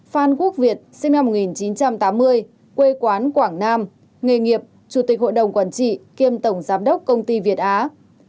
phan quốc việt sinh năm một nghìn chín trăm tám mươi quê quán quảng nam nghề nghiệp chủ tịch hội đồng quản trị kiêm tổng giám đốc công ty việt á